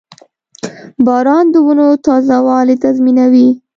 • باران د ونو تازهوالی تضمینوي.